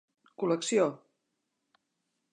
Col·lecció: